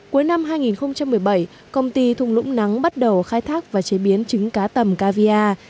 cuối năm hai nghìn một mươi bảy công ty thùng lũng nắng bắt đầu khai thác và chế biến trứng cá tầm cavia